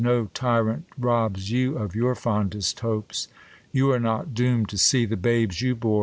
No tyrant robs you of yom* fondest hopes ; You are not doom'd to see the babes you bore.